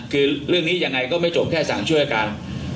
คือเรื่องนี้ยังไงก็ไม่จบแค่สั่งช่วยกัน